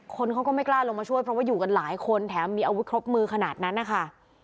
คนเขาก็ไม่กล้าลงมาช่วยเพราะว่าอยู่กันหลายคนแถมมีอาวุธครบมือขนาดนั้นนะคะ